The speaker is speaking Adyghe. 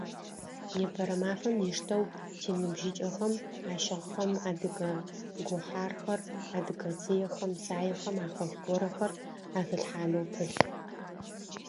Непэрэ мафэм диштэу тиныбжьыкӏэхэм ащыгъхэм адыгэ гухьархэр, адыгэ цыехэм, саехэм ахэлъ горэхэр ахилъхьанэу пылъ.